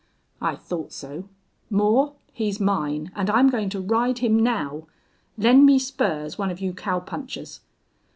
"I thought so. Moore, he's mine, and I'm going to ride him now. Lend me spurs, one of you cowpunchers."